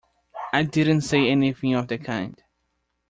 I didn't say anything of the kind.